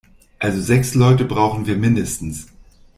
Also sechs Leute brauchen wir mindestens.